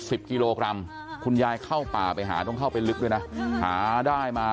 สิบกิโลกรัมคุณยายเข้าป่าไปหาต้องเข้าไปลึกด้วยนะหาได้มา